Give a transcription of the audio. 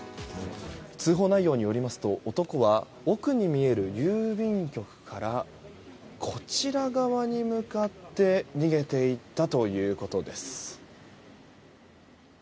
通報内容によりますと男は奥に見える郵便局からこちら側に向かって逃げていったということです。